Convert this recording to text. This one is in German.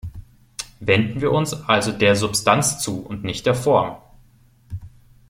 Wenden wir uns also der Substanz zu und nicht der Form.